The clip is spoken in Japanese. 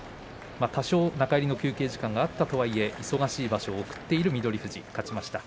多少中入りの休憩時間があったとはいえ忙しい場所を送っている翠富士勝ちました。